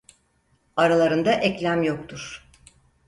Aralarında eklem yoktur.